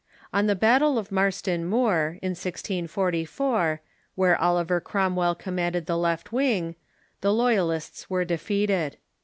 In the battle of Marston Moor, in 1044, M'here Oliver Cromwell commanded the left wing, the Loyalists were defeated.